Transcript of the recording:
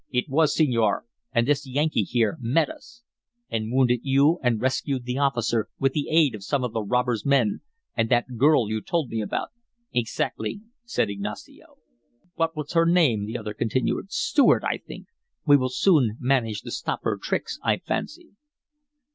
"It was, senor, and this Yankee here met us " "And wounded you and rescued the officer, with the aid of some of the robber's men, and that girl you told me about." "Exactly," said Ignacio. "What was her name?" the other continued. "Stuart, I think. We will soon manage to stop her tricks, I fancy."